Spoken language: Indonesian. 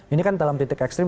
ini kan dalam titik ekstrim